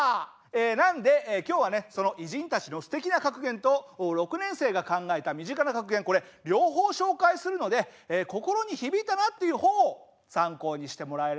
なんで今日はねその偉人たちのすてきな格言と６年生が考えた身近な格言これ両方紹介するので心に響いたなっていう方を参考にしてもらえればなって思います。